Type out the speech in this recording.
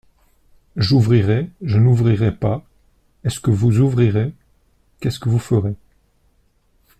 J’ouvrirai, je n’ouvrirai pas, est-ce que vous ouvrirez, qu’est-ce que vous ferez.